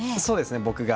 そうですね。